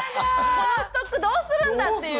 このストックどうするんだ⁉っていうね。